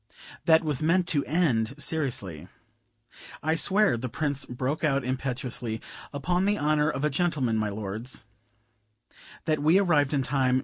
"That was meant to end seriously." "I swear," the Prince broke out impetuously, "upon the honor of a gentleman, my lords " "That we arrived in time.